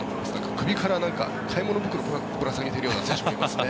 首から買い物袋をぶら下げてるような選手もいますね。